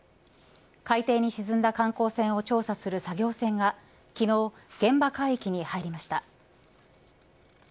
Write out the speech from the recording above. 海底に沈んだ観光船を調査する作業船が昨日、現場海域に入りました。